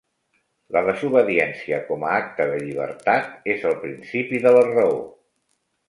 La desobediència com a acte de llibertat és el principi de la raó.